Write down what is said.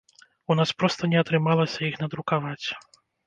У нас проста не атрымалася іх надрукаваць.